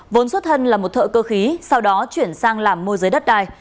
vốn xuất thân là một thợ cơ khí sau đó chuyển sang làm môi giới đất đai